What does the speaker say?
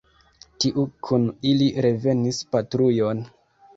Tiu kun ili revenis patrujon.